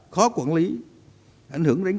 khó quản lý ảnh hưởng đến